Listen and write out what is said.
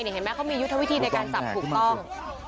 เห็นไหมเขามียุทธวิธีในการจับถูกต้อง